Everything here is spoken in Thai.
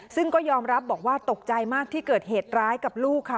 ซึ่งก็ยอมรับบอกว่าตกใจมากที่เกิดเหตุร้ายกับลูกค่ะ